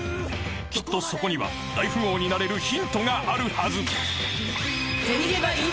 ［きっとそこには大富豪になれるヒントがあるはず］